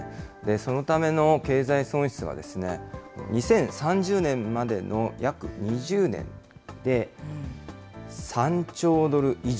そのための経済損失は、２０３０年までの約２０年で３兆ドル以上。